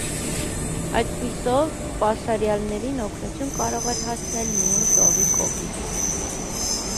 Այդպիսով, պաշարյալներին օգնություն կարող էր հասնել միայն ծովի կողմից։